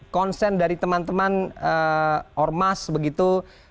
konsen dari teman teman ormas begitu